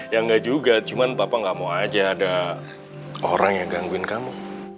ya enggak juga cuma bapak nggak mau aja ada orang yang gangguin kamu